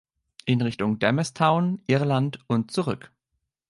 In Richtung Damastown, Irland und zurück.